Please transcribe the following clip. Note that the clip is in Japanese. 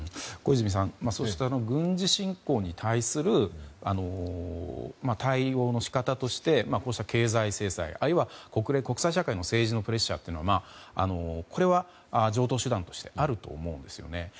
小泉さんそして、軍事侵攻に対する対応の仕方としてこうした経済制裁あるいは、国際社会の政治のプレッシャーというのはこれは常套手段としてあると思うんですよね。